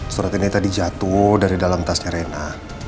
surat ini tadi jatuh dari dalam tasnya rena